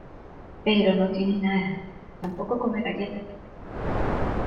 pero no tiene nada. tampoco come galletas.